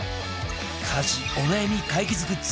家事お悩み解決グッズ